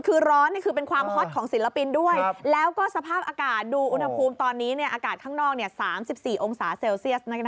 คือร้อนเป็นความฮอตของศิลปินด้วย